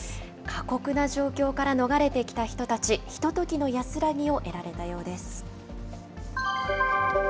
過酷な状況から逃れてきた人たち、ひとときの安らぎを得られたようです。